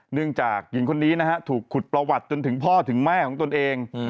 จากหญิงคนนี้นะฮะถูกขุดประวัติจนถึงพ่อถึงแม่ของตนเอง